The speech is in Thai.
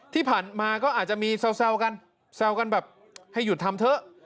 ที่ผ่านมาก็อาจจะมีแซวกันแซวกันแบบให้หยุดทำเถอะ